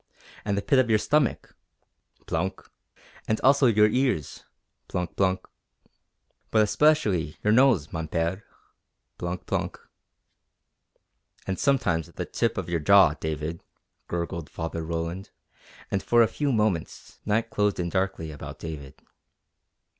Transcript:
"And the pit of your stomach" plunk! "And also your ears" plunk, plunk! "But especially your nose, mon Père" plunk, plunk! "And sometimes the tip of your jaw, David," gurgled Father Roland, and for a few moments night closed in darkly about David.